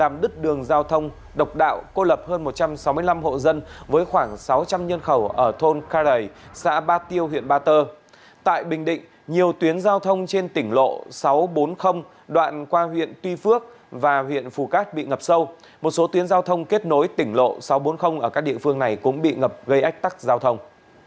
một số tuyến giao thông kết nối tỉnh lộ sáu trăm bốn mươi ở các địa phương này cũng bị ngập gây ách tắc giao thông